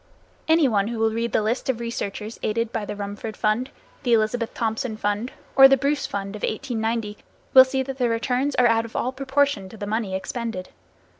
Any one who will read the list of researches aided by the Rumford Fund, the Elizabeth Thompson Fund or the Bruce Fund of 1890 will see that the returns are out of all proportion to the money expended.